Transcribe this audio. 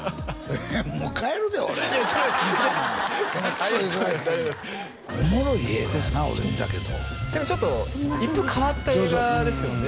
もう帰るで俺このクソ忙しいときにおもろい映画やな俺見たけどでもちょっと一風変わった映画ですよね